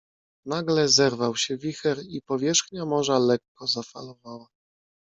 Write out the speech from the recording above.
"Nagle zerwał się wicher i powierzchnia morza lekko zafalowała."